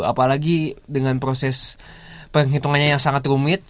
apalagi dengan proses penghitungannya yang sangat rumit